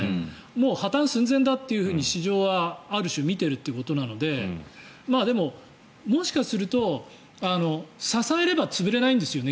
もう破たん寸前だと市場は、ある種見ているということなのででも、もしかすると支えれば潰れないんですよね